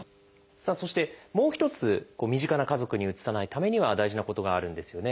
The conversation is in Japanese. さあそしてもう一つ身近な家族にうつさないためには大事なことがあるんですよね。